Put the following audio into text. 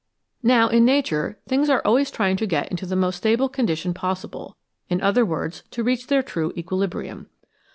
Now, in Nature, things are always trying to get into the most stable condition possible, in other words, to reach their true equilibrium.